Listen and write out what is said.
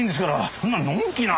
そんなのんきな。